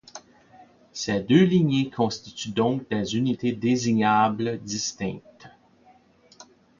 Ces deux lignées constituent donc deux unités désignables distinctes.